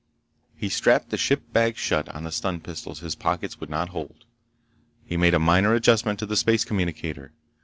He strapped the ship bag shut on the stun pistols his pockets would not hold. He made a minor adjustment to the space communicator.